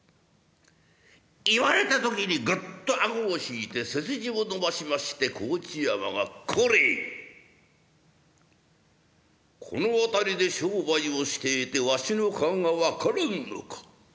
言われた時にグッと顎を引いて背筋を伸ばしまして河内山が「これこの辺りで商売をしていてわしの顔が分からんのか？